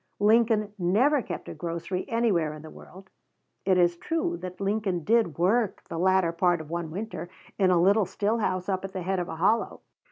Lincoln never kept a grocery anywhere in the world. It is true that Lincoln did work the latter part of one winter in a little still house up at the head of a hollow.